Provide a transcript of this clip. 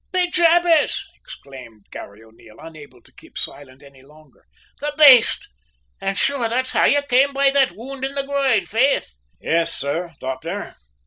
"Be jabers!" exclaimed Garry O'Neil, unable to keep silent any longer. "The baste! An', sure, that's how you came by that wound in the groin, faith?" "Yes, sir, doctor.